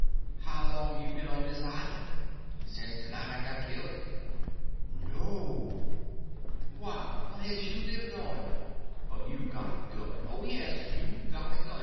How long you ben on de islan'?" "Since the night I got killed." "No! W'y, what has you lived on? But you got a gun. Oh, yes, you got a gun.